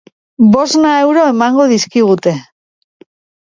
Bosna euro emango dizkigute.